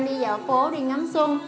đi vào phố đi ngắm xuân